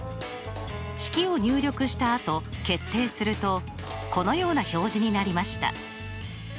式を入力したあと決定するとこのような表示になりました。